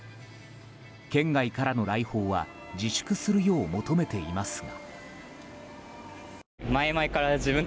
県外からの来訪は自粛するよう求めていますが。